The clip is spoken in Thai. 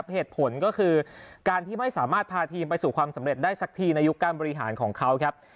เหตุผลก็คือการที่ไม่สามารถพาทีมไปสู่ความสำเร็จได้สักทีในยุคการบริหารของเขาครับ